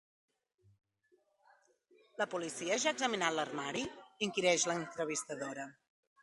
La policia ja ha examinat l'armari? —inquireix l'entrevistadora.